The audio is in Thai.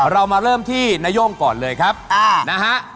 เรามาเริ่มที่นาย่งก่อนเลยครับนะฮะ